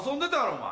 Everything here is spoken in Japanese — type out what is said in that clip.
お前。